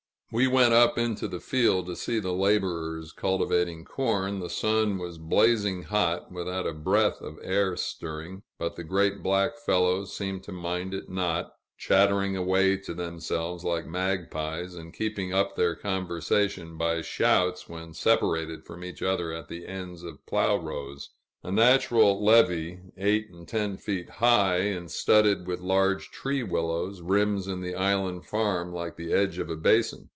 We went up into the field, to see the laborers cultivating corn. The sun was blazing hot, without a breath of air stirring, but the great black fellows seemed to mind it not, chattering away to themselves like magpies, and keeping up their conversation by shouts, when separated from each other at the ends of plow rows. A natural levee, eight and ten feet high, and studded with large tree willows, rims in the island farm like the edge of a basin.